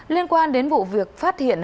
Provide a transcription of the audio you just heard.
liên quan đến vụ việc phát hiện